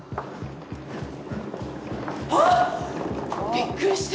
びっくりした。